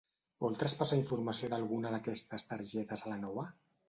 Vol traspassar informació d'alguna d'aquestes targetes a la nova?